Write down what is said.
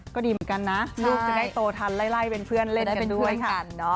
ก็ดีเหมือนกันนะลูกจะได้โตทันไล่เป็นเพื่อนเล่นให้ไปด้วยกัน